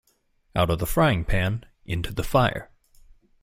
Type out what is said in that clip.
Out of the frying-pan into the fire.